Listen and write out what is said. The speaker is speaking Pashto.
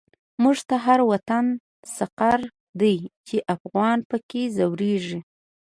موږ ته هر وطن سقر دی، چی افغان په کی ځوريږی